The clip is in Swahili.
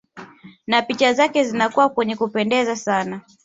Na picha zake zinakuwa zenye kupendeza sana